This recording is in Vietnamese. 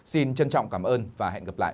xin trân trọng cảm ơn và hẹn gặp lại